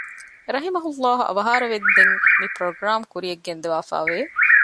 ރަޙިމަހު ﷲ އަވަހާރަވަންދެން މި ޕްރޮގްރާމް ކުރިއަށް ގެންދަވާފައި ވެ